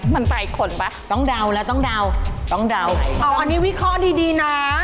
มันตายขนว่ะต้องเดาต้องเดาต้องเดาอันนี้วิเคราะห์ดีนะ